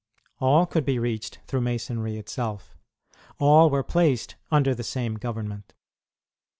All could be reached through Masonry itself. All were placed under the same government.